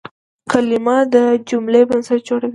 کلیمه د جملې بنسټ جوړوي.